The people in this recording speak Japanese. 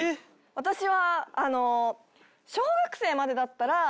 私は。